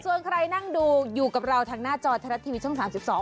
ส่วนใครนั่งดูอยู่กับเราทางหน้าจอไทยรัฐทีวีช่อง๓๒